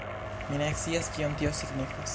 Mi ne scias kion tio signifas...